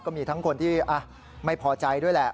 ก็มีทั้งคนที่ไม่พอใจด้วยแหละ